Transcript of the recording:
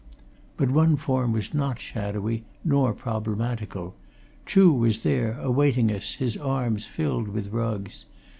But one form was not shadowy, nor problematical. Chuh was there, awaiting us, his arms filled with rugs.